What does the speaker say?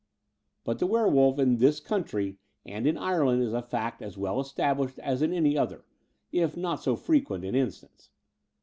But the werewolf in this country and in Ireland is a fact as well established as in any other, if not so frequent in instance.